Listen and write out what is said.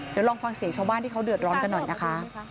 เดี๋ยวลองฟังเสียงชาวบ้านที่เขาเดือดร้อนกันหน่อยนะคะ